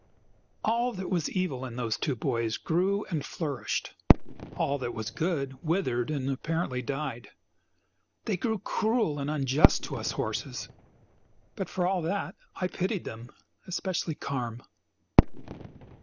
All that was evil in those two boys grew and flourished; all that was good withered and, apparently, died. They grew cruel and unjust to us horses, but for all that, I pitied them, especially Carm.